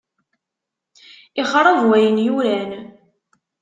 Ixṛeb wayen yuran.